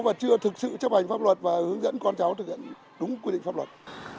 và chưa thực sự chấp hành pháp luật và hướng dẫn con cháu thực hiện đúng quy định pháp luật